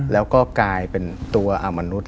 แล้วก็กลายเป็นตัวมนุษย